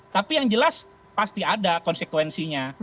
tapi yang jelas pasti ada konsekuensinya